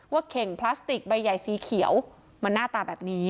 เข่งพลาสติกใบใหญ่สีเขียวมันหน้าตาแบบนี้